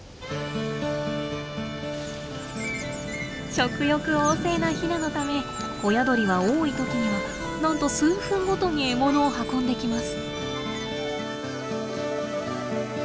食欲旺盛なヒナのため親鳥は多い時にはなんと数分ごとに獲物を運んできます。